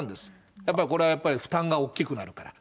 やっぱりこれはやっぱり、負担が大きくなるから。